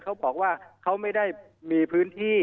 เขาบอกว่าเขาไม่ได้มีพื้นที่